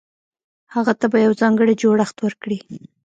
هغه ته به يو ځانګړی جوړښت ورکړي.